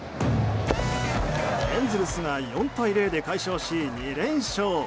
エンゼルスが４対０で快勝し２連勝。